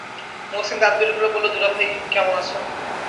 মহসিন দাঁত বের করে বলল, কেমন আছেন দুলাভাই?